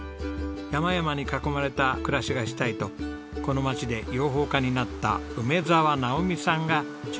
山々に囲まれた暮らしがしたいとこの町で養蜂家になった梅澤直美さんが主人公です。